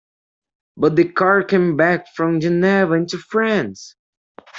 But the car came back from Geneva into France!